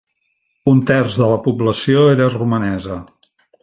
Un terç de la població era romanesa.